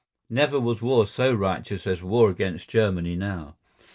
Never was war so righteous as war against Germany now.